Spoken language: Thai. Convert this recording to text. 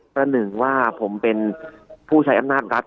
ประหนึ่งว่าผมเป็นผู้ใช้อำนาจรัฐ